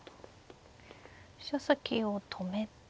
飛車先を止めて。